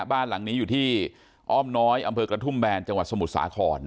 บ้านหลังนี้อยู่ที่อ้อมน้อยอำเภอกระทุ่มแบนจังหวัดสมุทรสาคร